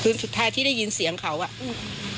สุดท้ายที่ได้ยินเสียงเขาอ่ะอืม